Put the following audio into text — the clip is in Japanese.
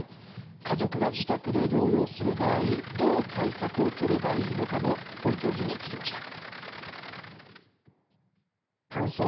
家族が自宅で療養する場合、どう対策を取ればいいのかも、堀教授に聞きました。